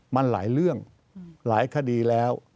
มันหลายเรื่องหลายคดีแล้ว